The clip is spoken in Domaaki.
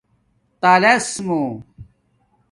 تالس مُو